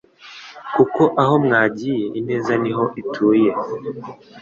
kuko aho mwagiye Ineza niho ituye.